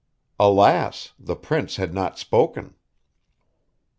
Alas! the prince had not spoken.